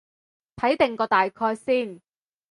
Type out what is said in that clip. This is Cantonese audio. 睇定個大概先